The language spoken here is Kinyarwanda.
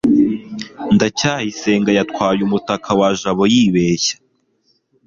ndacyayisenga yatwaye umutaka wa jabo yibeshya